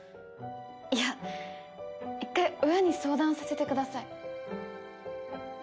いや一回親に相談させてください